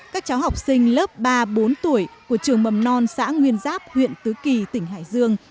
các cháu học sinh lớp ba bốn tuổi của trường mầm non xã nguyên giáp huyện tứ kỳ tỉnh hải dương